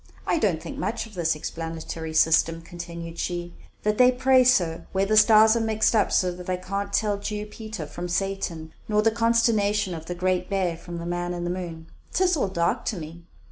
"I don't think much of this explanatory system," continued she, "that they praise so, where the stars are mixed up so that I can't tell Jew Peter from Satan, nor the consternation of the Great Bear from the man in the moon. 'Tis all dark to me.